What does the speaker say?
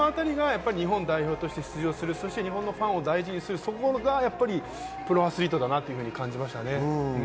日本代表として出場する、日本のファンを大事にするというところがプロアスリートだなと思いましたね。